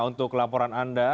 untuk laporan anda